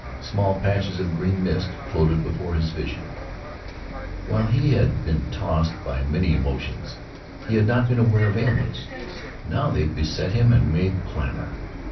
Small patches of green mist floated before his vision. While he had been tossed by many emotions, he had not been aware of ailments. Now they beset him and made clamor.